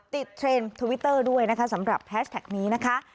เทรนด์ทวิตเตอร์ด้วยนะคะสำหรับแฮชแท็กนี้นะคะ